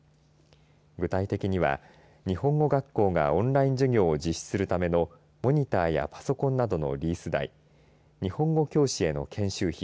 具体的には日本語学校がオンライン授業を実施するためのモニターやパソコンなどのリース代日本語教師への研修費